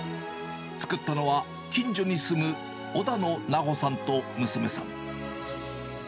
作ったのは、近所に住む小田野奈帆さんと娘さん。